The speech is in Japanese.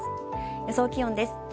予想気温です。